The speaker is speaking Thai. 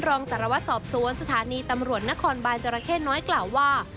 รองสารวัตรสอบสวนสถานีตำรวจนครบานจราเข้น้อยกล่าวว่า